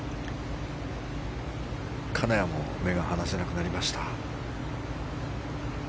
金谷も目が離せなくなりました。